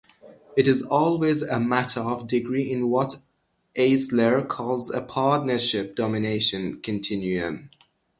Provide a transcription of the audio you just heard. It is always a matter of degree in what Eisler calls a partnership-domination continuum.